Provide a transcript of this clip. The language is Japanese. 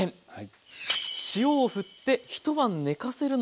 はい。